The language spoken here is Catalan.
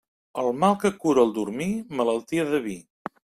El mal que cura el dormir, malaltia de vi.